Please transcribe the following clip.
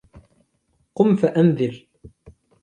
قم فأنذر